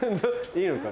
いいのか？